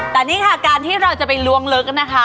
แต่นี่ค่ะการที่เราจะไปล้วงลึกนะคะ